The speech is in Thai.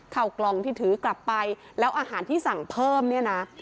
กล่องที่ถือกลับไปแล้วอาหารที่สั่งเพิ่มเนี่ยนะ